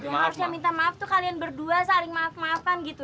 yang harusnya minta maaf tuh kalian berdua saling maaf maafan gitu